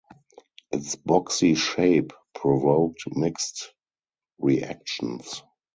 Its boxy shape provoked mixed reactions.